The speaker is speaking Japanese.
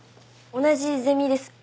同じゼミです。